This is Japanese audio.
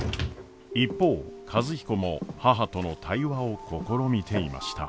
・一方和彦も母との対話を試みていました。